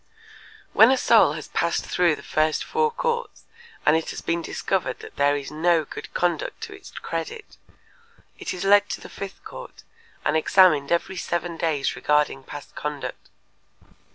When a soul has passed through the first four courts and it has been discovered that there is no good conduct to its credit, it is led to the fifth court and examined every seven days regarding past conduct.